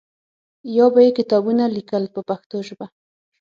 یا به یې کتابونه لیکل په پښتو ژبه.